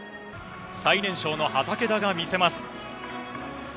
最年少の畠田が見せます。